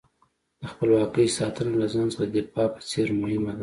د خپلواکۍ ساتنه له ځان څخه د دفاع په څېر مهمه ده.